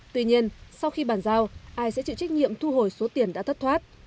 tuy nhiên sau khi bàn giao ai sẽ chịu trách nhiệm thu hồi số tiền đã thất thoát